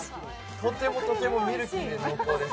とてもとてもミルキーで濃厚です。